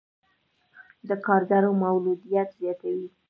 د کارګرو مولدیت زیاتوي.